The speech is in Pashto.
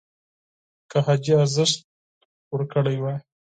که حاجي ارزښت ورکړی وای